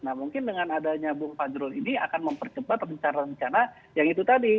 nah mungkin dengan adanya bung fajrul ini akan mempercepat rencana rencana yang itu tadi